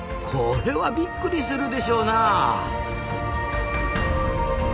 これはびっくりするでしょうなあ。